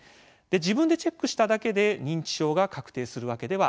自分でチェックしただけで認知症が確定するわけではありません。